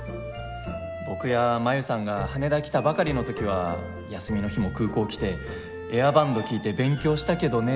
僕や真夢さんが羽田来たばかりの時は休みの日も空港来てエアバンド聞いて勉強したけどね。